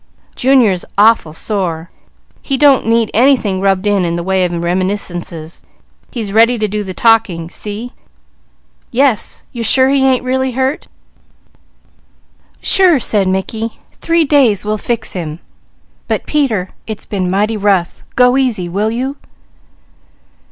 Junior is awful sore! He don't need anything rubbed in in the way of reminiscences. He's ready to do the talking. See?" "Yes. You're sure he ain't really hurt?" "Sure!" said Mickey. "Three days will fix him, but Peter, it's been mighty rough! Go easy, will you?"